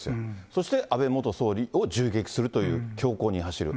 そして安倍元総理を銃撃するという凶行に走る。